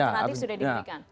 alternatif sudah diberikan